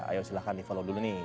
ayo silahkan di follow dulu nih